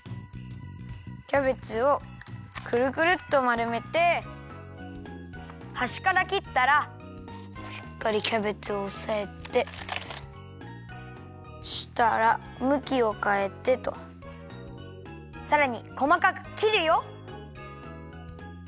キャベツをくるくるっとまるめてはしからきったらしっかりキャベツをおさえてそしたらむきをかえてとさらにこまかくきるよ。